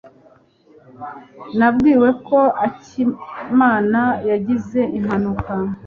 Nabwiwe ko akimana yagize impanuka.